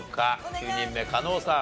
９人目加納さん